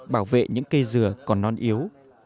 bảo vệ những cây dừa còn non yếu